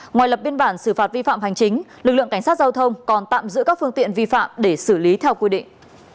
ngoài lập biên bản xử phạt vi phạm hành chính lực lượng cảnh sát giao thông còn tạm giữ các phương tiện vi phạm để xử lý theo quy định